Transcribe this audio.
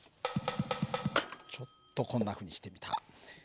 ちょっとこんなふうにしてみた。